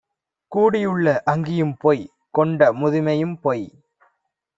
கூடியுள்ள அங்கியும்பொய்! கொண்ட முதுமையும்பொய்!